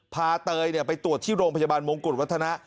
เตยไปตรวจที่โรงพยาบาลมงกุฎวัฒนะ